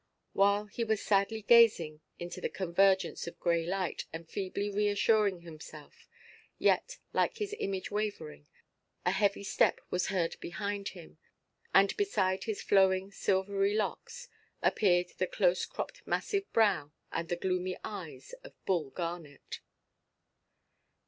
While he was sadly gazing into the convergence of grey light, and feebly reassuring himself, yet like his image wavering, a heavy step was heard behind him, and beside his flowing silvery locks appeared the close–cropped massive brow and the gloomy eyes of Bull Garnet.